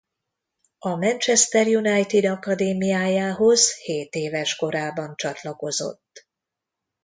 A Manchester United akadémiájához hétéves korában csatlakozott.